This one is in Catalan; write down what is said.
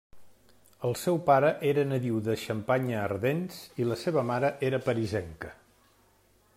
El seu pare era nadiu de Xampanya-Ardenes i la seva mare era parisenca.